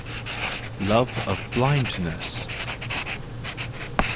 Love of Blindness